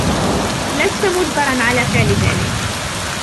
لست مجبرا على فعل ذلك.